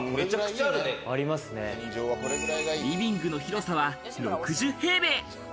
リビングの広さは６０平米。